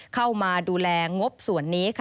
เข้ามาดูแลงบส่วนนี้ค่ะ